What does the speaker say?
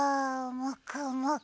もくもく。